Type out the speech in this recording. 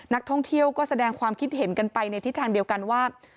นักท่องเที่ยวก็แสดงความคิดเห็นกันไปในทิศทางเดียวกันว่า